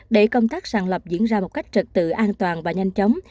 để công tác sàn lọc diễn ra một cách trật tự an toàn và nhanh chóng